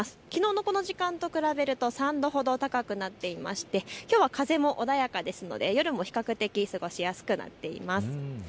きのうのこの時間と比べると３度ほど高くなっていまして、きょうは風も穏やかですので夜も比較的過ごしやすくなっています。